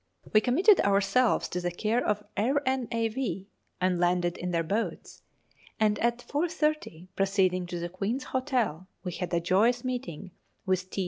We committed ourselves to the care of the R.N.A.V., and landed in their boats, and at 4.30, proceeding to the Queen's Hotel, we had a joyous meeting with T.